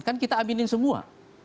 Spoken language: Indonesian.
kan kita aminin semua